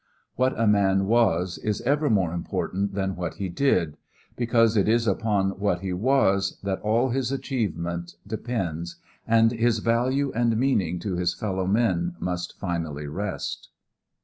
What a man was is ever more important than what he did, because it is upon what he was that all his achievement depends and his value and meaning to his fellow men must finally rest.